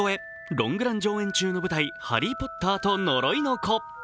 ロングラン上演中の舞台、「ハリー・ポッターと呪いの子」。